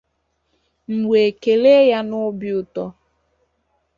M wee kelee ya n'obi ụtọ